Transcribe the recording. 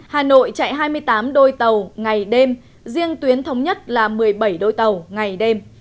hà nội chạy hai mươi tám đôi tàu ngày đêm riêng tuyến thống nhất là một mươi bảy đôi tàu ngày đêm